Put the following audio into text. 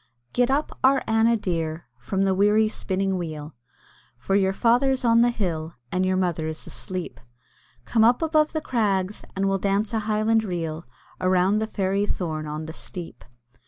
"Get up, our Anna dear, from the weary spinning wheel; For your father's on the hill, and your mother is asleep; Come up above the crags, and we'll dance a highland reel Around the fairy thorn on the steep."